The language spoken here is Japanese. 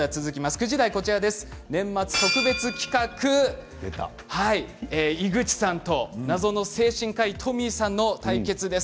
９時台は年末特別企画井口さんと謎の精神科医Ｔｏｍｙさんの対決です。